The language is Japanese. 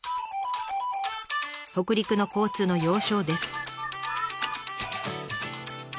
北陸の交通の要衝です。